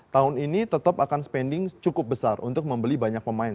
tahun ini tetap akan spending cukup besar untuk membeli banyak pemain